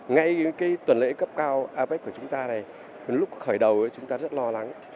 ngay cái tuần lễ cấp cao apec của chúng ta này lúc khởi đầu chúng ta rất lo lắng